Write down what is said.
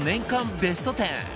ベスト１０